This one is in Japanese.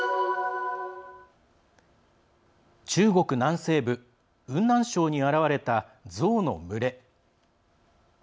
中国南西部雲南省に現れたゾウの群れ。